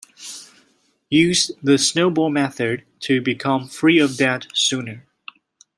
Use the snowball method to become free of debt sooner.